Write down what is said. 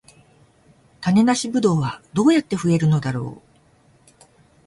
種なしブドウはどうやって増えるのだろう